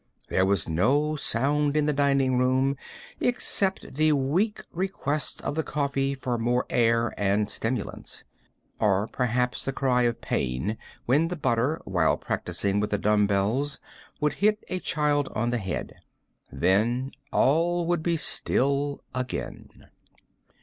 There was no sound in the dining room except the weak request of the coffee for more air and stimulants, or perhaps the cry of pain when the butter, while practicing with the dumb bells, would hit a child on the head; then all would be still again.